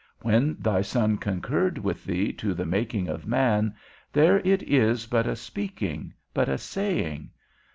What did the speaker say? When thy Son concurred with thee to the making of man, there it is but a speaking, but a saying.